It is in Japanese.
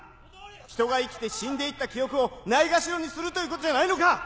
人が生きて死んでいった記憶をないがしろにするということじゃないのか！